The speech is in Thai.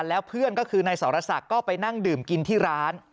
แล้วเพื่อนก็คือนายสรศักดิ์ก็ไปนั่งดื่มกินที่ร้าน